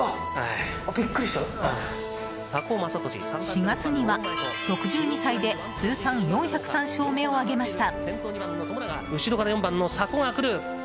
４月には６２歳で通算４０３勝目を挙げました。